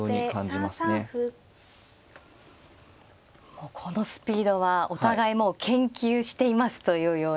もうこのスピードはお互いもう研究していますというような。